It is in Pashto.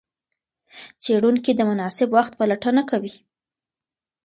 څېړونکي د مناسب وخت پلټنه کوي.